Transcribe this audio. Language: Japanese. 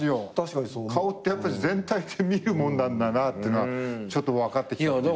顔ってやっぱり全体で見るもんなんだなってのはちょっと分かってきた。